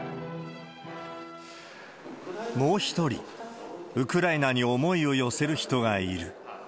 もう１人、ウクライナに思いを寄せる人がいる。